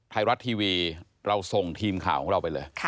ไทยรัฐทีวีเราส่งทีมข่าวของเราไปเลย